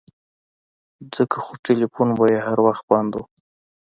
ځکه خو ټيلفون به يې هر وخت بند و.